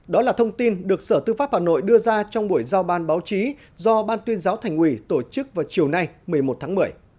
đó là thông tin được sở tư pháp hà nội đưa ra trong buổi giao ban báo chí do ban tuyên giáo thành ủy tổ chức vào chiều nay một mươi một tháng một mươi